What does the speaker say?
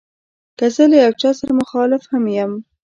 که زه له یو چا سره مخالف هم یم.